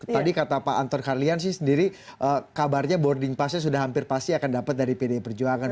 tadi kata pak anton karlian sih sendiri kabarnya boarding passnya sudah hampir pasti akan dapat dari pilkada serentak dua ribu delapan belas ini